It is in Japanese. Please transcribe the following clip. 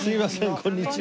こんにちは。